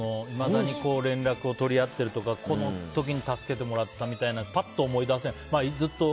いまだに連絡を取り合ってるとかこの時に助けてもらったみたいなぱっと思い出せない。